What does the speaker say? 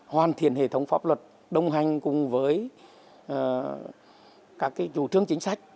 hoàn thiện hệ thống pháp luật đồng hành cùng với các chủ trương chính sách